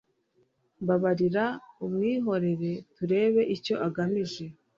Mbabarira umwihorere turebe icyo agamije